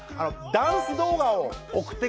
ダンス動画を送って下さい。